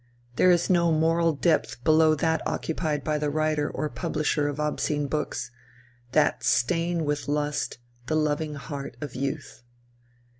There is no moral depth below that occupied by the writer or publisher of obscene books, that stain with lust, the loving heart of youth.